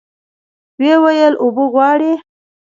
ويې ويل اوبه غواړي.